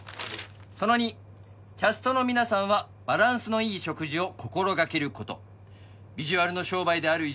「その２キャストの皆さんはバランスのいい食事を心がける事」「ビジュアルの商売である以上」